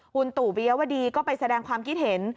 คุณตู่ปิยวดีก็ไปแสดงความคิดเห็น